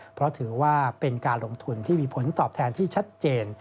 เพราะถือว่าเป็นการลงทุนที่มีผลตอบแทนที่ชัดเจน